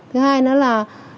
thứ hai nữa là